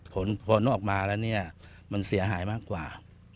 ผลผลออกมาแล้วเนี่ยมันเสียหายมากกว่า